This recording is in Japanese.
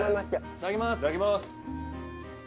・いただきます